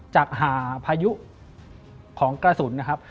จากหาพายุของกระสุนนะครับ